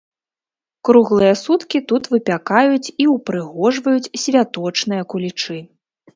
Круглыя суткі тут выпякаюць і ўпрыгожваюць святочныя кулічы.